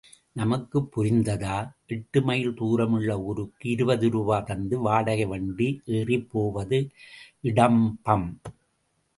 நமக்கு புரிந்ததா! எட்டு மைல் தூரம் உள்ள ஊருக்கு இருபது ரூபா தந்து வாடகை வண்டி ஏறிப்போவது இடம்பம்.